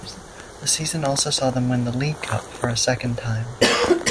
The season also saw them win the League Cup for a second time.